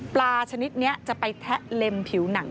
ชนิดนี้จะไปแทะเล็มผิวหนัง